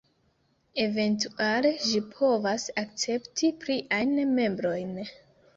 Eventuale ĝi povas akcepti pliajn membrojn.